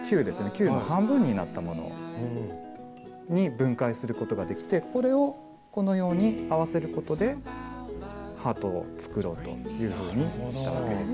球の半分になったものに分解することができてこれをこのように合わせることでハートを作ろうというふうにしたわけです。